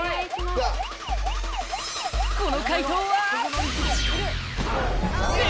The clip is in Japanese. この快答は？